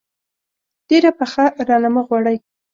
ډېره پخه رانه مه غواړئ.